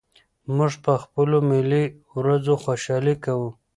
موږ په خپلو ملي ورځو خوشالي کوو.